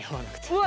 うわ！